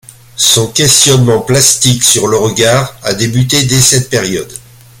Son questionnement plastique sur le regard a débuté dès cette période.